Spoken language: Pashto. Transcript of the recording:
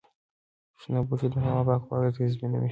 شنه بوټي د هوا پاکوالي تضمینوي.